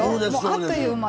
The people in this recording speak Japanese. あっという間。